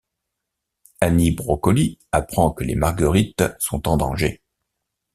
Annie Brocoli apprend que les marguerites sont en danger.